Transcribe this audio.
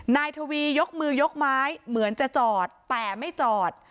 นายทวียกมือยกไม้เหมือนจะจอดแต่ไม่จอด